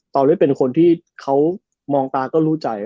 เล่นเป็นคนที่เขามองตาก็รู้ใจ